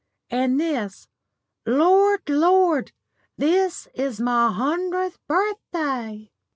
And this Lord! Lord! this is my hundredth birthday!"